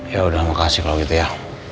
ya udah makasih kalau gitu ya